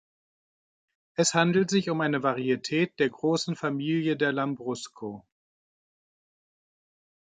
Es handelt sich um eine Varietät der großen Familie der Lambrusco.